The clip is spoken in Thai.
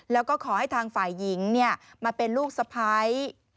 แล้วก็ขอให้ทางฝ่ายหญิงมาเป็นลูกสะพ้าย